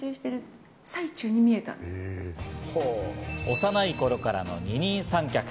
幼い頃からの二人三脚。